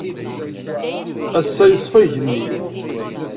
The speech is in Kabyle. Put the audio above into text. Ass-a, yeṣfa yigenni.